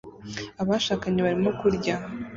Abashakanye barimo kurya